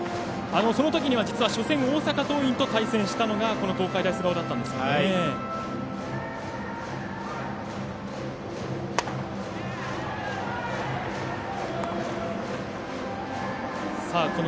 そのときには初戦大阪桐蔭と対戦したのが東海大菅生だったんですね。